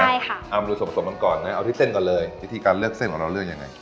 ใช่ค่ะเอามาดูส่วนผสมกันก่อนนะเอาที่เส้นก่อนเลยวิธีการเลือกเส้นของเราเลือกยังไง